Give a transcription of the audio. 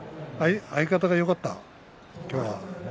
相方がよかった、今日は。